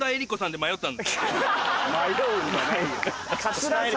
迷うんじゃないよ。